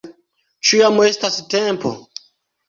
Ĉu jam estas tempo?